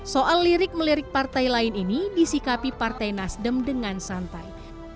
soal lirik melirik partai lain ini disikapi partai nasdem dengan santai